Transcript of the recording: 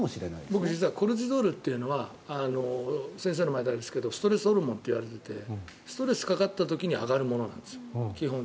僕、実はコルチゾールというのは先生の前であれですがストレスホルモンと言われていてストレスかかった時に上がるもんです。